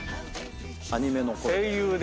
アニメの声で。